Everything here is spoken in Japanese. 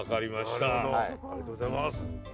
なるほどありがとうございます。